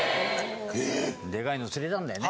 デカいの釣れたんだよね。